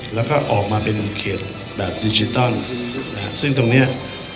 แล้วก็ออกมาเป็นเขตแบบดิจิตอลนะฮะซึ่งตรงเนี้ย